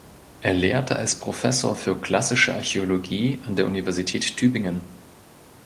Er lehrte als Professor für Klassische Archäologie an der Universität Tübingen.